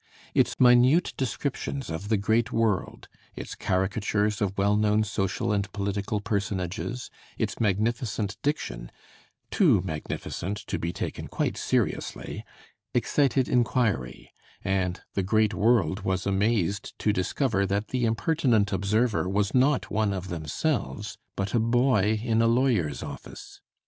Its minute descriptions of the great world, its caricatures of well known social and political personages, its magnificent diction, too magnificent to be taken quite seriously, excited inquiry; and the great world was amazed to discover that the impertinent observer was not one of themselves, but a boy in a lawyer's office.